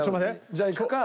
じゃあいくか。